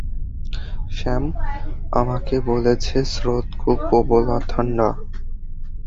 Sam আমাকে বলেছে স্রোত খুব প্রবল আর ঠান্ডা।